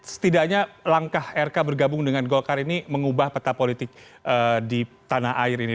setidaknya langkah rk bergabung dengan golkar ini mengubah peta politik di tanah air ini